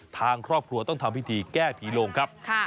ทางครอบครัวต้องทำพิธีแก้ผีโลงครับ